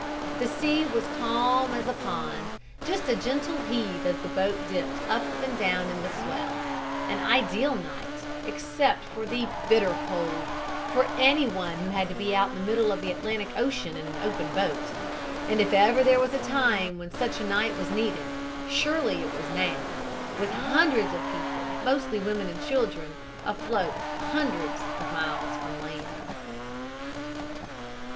The sea was as calm as a pond, just a gentle heave as the boat dipped up and down in the swell; an ideal night, except for the bitter cold, for anyone who had to be out in the middle of the Atlantic ocean in an open boat. And if ever there was a time when such a night was needed, surely it was now, with hundreds of people, mostly women and children, afloat hundreds of miles from land.